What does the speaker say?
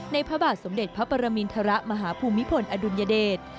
พระบาทสมเด็จพระปรมินทรมาฮภูมิพลอดุลยเดช